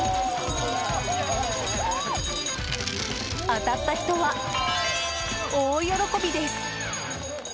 当たった人は大喜びです。